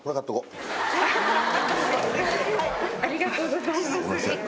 ありがとうございます。